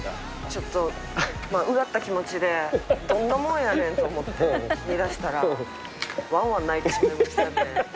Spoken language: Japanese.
ちょっとうがった気持ちでどんなもんやねんと思って見だしたらわんわん泣いてしまいましたね。